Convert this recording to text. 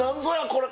これ。